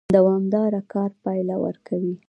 دوامدار کار پایله ورکوي